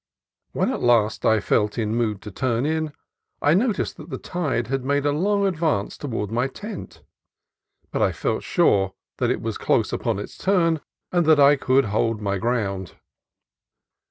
When at last I felt in mood to turn in, I noticed that the tide had made a long advance toward my tent; but I felt sure that it was close upon its turn and that I could hold my ground.